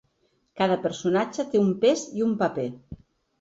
Cada personatge té un pes i un paper.